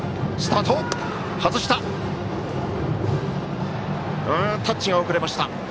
タッチが遅れました。